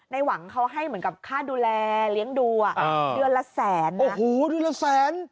หวังเขาให้เหมือนกับค่าดูแลเลี้ยงดูอ่ะเดือนละแสนโอ้โหเดือนละแสน